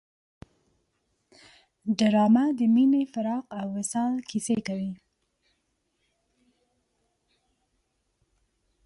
ډرامه د مینې، فراق او وصال کیسې کوي